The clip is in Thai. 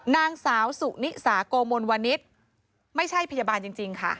นางสาวสุนิสาโกมลวนิสไม่ใช่พยาบาลจริงค่ะ